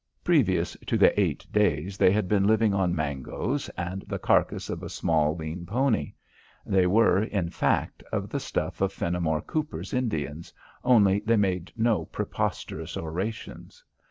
Previous to the eight days they had been living on mangoes and the carcase of a small lean pony. They were, in fact, of the stuff of Fenimore Cooper's Indians, only they made no preposterous orations.